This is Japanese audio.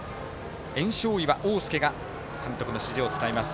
焔硝岩央輔が監督の指示を伝えます。